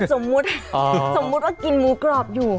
สมมุติสมมุติว่ากินหมูกรอบอยู่